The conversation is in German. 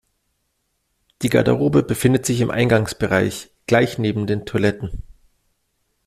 Die Garderobe befindet sich im Eingangsbereich, gleich neben den Toiletten.